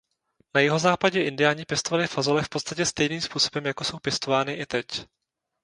Na jihozápadě indiáni pěstovali fazole v podstatě stejným způsobem jako jsou pěstovány i teď.